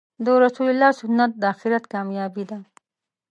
د رسول الله سنت د آخرت کامیابې ده .